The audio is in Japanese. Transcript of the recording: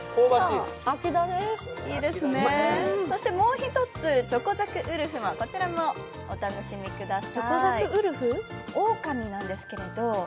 そしてもう一つ、チョコザクウルフをお楽しみください。